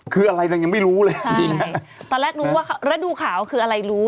คืออะไรยังไม่รู้เลยตอนแรกรู้ว่าระดูขาวคืออะไรรู้